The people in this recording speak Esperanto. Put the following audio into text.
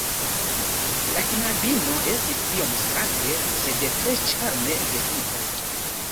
La knabino estis iom strange, sed tre ĉarme vestita.